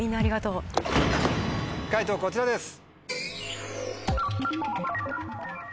解答こちらです。